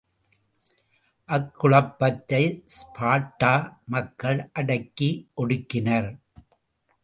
அக்குழப்பத்தை Sparta மக்கள் அடக்கி ஒடுக்கினர்.